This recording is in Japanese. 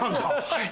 はい。